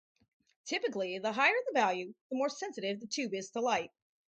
Typically, the higher the value, the more sensitive the tube is to light.